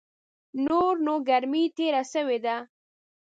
نور نو ګرمي تېره سوې ده .